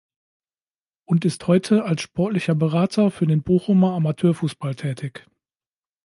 Und ist heute als Sportlicher Berater für den Bochumer Amateurfußball tätig.